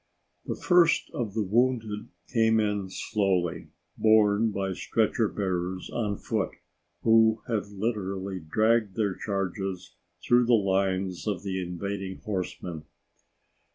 The first of the wounded came in slowly, borne by stretcher bearers on foot who had literally dragged their charges through the lines of invading horsemen.